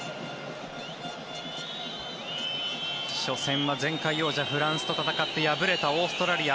初戦は前回王者フランスと戦って敗れたオーストラリア。